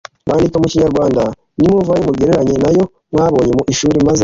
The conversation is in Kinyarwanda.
bandika mu kinyarwanda. nimuvayo mugereranye n'ayo mwabonye mu ishuri maze